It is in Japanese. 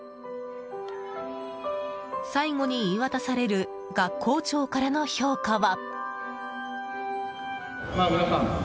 最後に言い渡される学校長からの評価は。